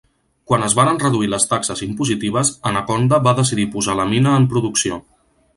Quan es varen reduir les taxes impositives, Anaconda va decidir posar la mina en producció.